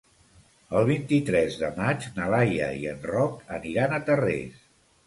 El vint-i-tres de maig na Laia i en Roc aniran a Tarrés.